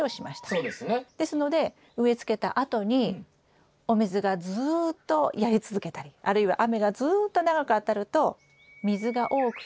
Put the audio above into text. ですので植え付けたあとにお水がずっとやり続けたりあるいは雨がずっと長く当たると水が多くて根が傷むことがあります。